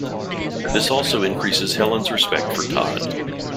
This also increases Helen's respect for Tod.